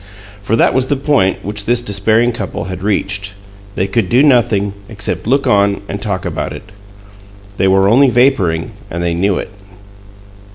For that was the point which this despairing couple had reached they could do nothing except look on and talk about it. They were only vaporing, and they knew it.